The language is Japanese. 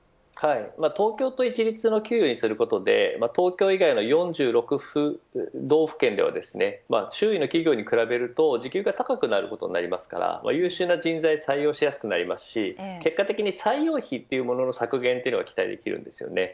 東京と一律の給与にすることで東京以外の４６道府県では周囲の企業に比べると時給が高くなることになるので優秀な人材が採用しやすくなりますし結果的に採用費の削減が期待できます。